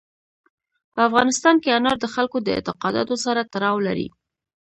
په افغانستان کې انار د خلکو د اعتقاداتو سره تړاو لري.